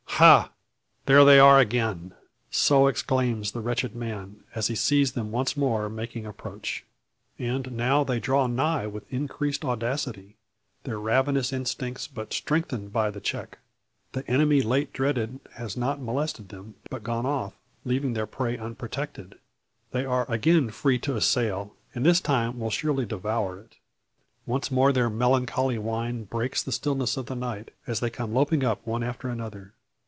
"Ha! there they are again!" So exclaims the wretched man, as he sees them once more making approach. And now they draw nigh with increased audacity, their ravenous instincts but strengthened by the check. The enemy late dreaded has not molested them, but gone off, leaving their prey unprotected. They are again free to assail, and this time will surely devour it. Once more their melancholy whine breaks the stillness of the night, as they come loping up one after another.